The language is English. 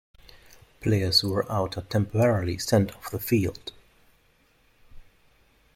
Players who are out are temporarily sent off the field.